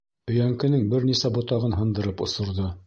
Өйәңкенең бер нисә ботағын һындырып осорҙо.